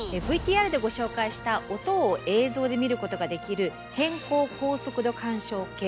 ＶＴＲでご紹介した音を映像で見ることができる偏光高速度干渉計。